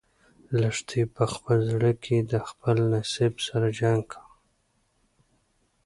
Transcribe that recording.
لښتې په خپل زړه کې د خپل نصیب سره جنګ کاوه.